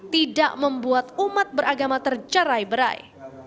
tidak membuat umat beragama tercerai berai